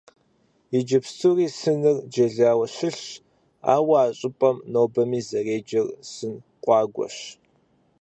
Иджыпстуи сыныр джэлауэ щылъщ, ауэ а щӀыпӀэм нобэми зэреджэр «Сын къуагуэщ».